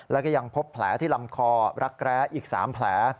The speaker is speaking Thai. แล้วก็ยังพบแผลที่ลำคอรักแร้อีก๓แผล